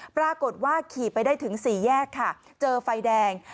ปรากฏว่าขี่ไปได้ถึงสี่แยกค่ะเจอไฟแดง